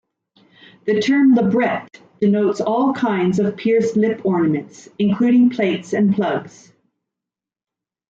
The term labret denotes all kinds of pierced-lip ornaments, including plates and plugs.